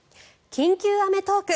「緊急アメトーーーーク！」。